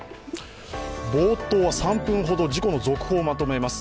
冒頭は３分ほど、事故の続報をまとめます。